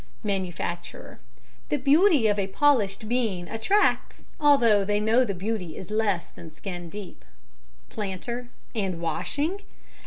MANUFACTURER: The beauty of a polished bean attracts, although they know the beauty is less than skin deep. PLANTER: And washing?